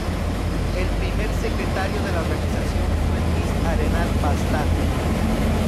El primer secretario de la organización fue Luis Arenal Bastar.